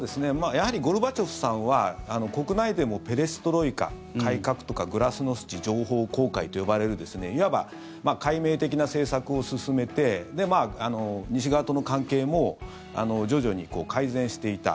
やはりゴルバチョフさんは国内でもペレストロイカ、改革とかグラスノスチ情報公開とかですねいわば開明的な政策を進めて西側との関係も徐々に改善していた。